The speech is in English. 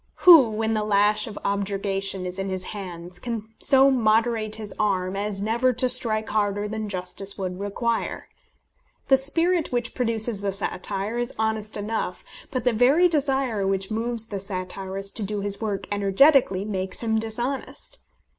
Who, when the lash of objurgation is in his hands, can so moderate his arm as never to strike harder than justice would require? The spirit which produces the satire is honest enough, but the very desire which moves the satirist to do his work energetically makes him dishonest.